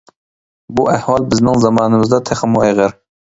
بۇ ئەھۋال بىزنىڭ زامانىمىزدا تېخىمۇ ئېغىر.